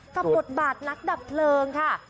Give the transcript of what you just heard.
บทบาทนักดับเพลิงค่ะ